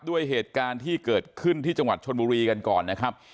ด้วยเหตุการณ์ที่เกิดขึ้นที่จังหวัดชนบุรีกันก่อนนะครับ